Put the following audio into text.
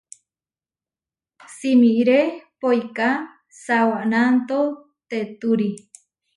Simiré poiká sawanantotéturi.